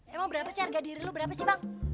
emang berapa sih harga diri lo berapa sih bang